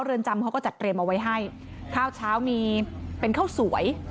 เรือนจำเขาก็จัดเตรียมเอาไว้ให้ข้าวเช้ามีเป็นข้าวสวย